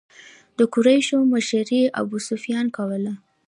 د قریشو مشري ابو سفیان کوله.